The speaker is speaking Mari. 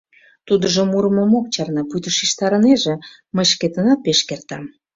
Тудыжо мурымым ок чарне, пуйто шижтарынеже: мый шкетынат пеш кертам.